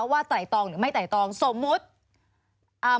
ว่าไตรตรองหรือไม่ไตรตรองสมมุติ